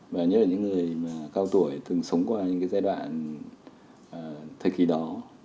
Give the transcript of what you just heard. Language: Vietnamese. và nhớ những người mà cao tuổi từng sống qua những cái giai đoạn thời kỳ đó